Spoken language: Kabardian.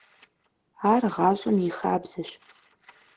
Ар гъащӏэм и хабзэщ.